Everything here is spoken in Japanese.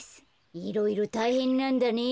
いろいろたいへんなんだね。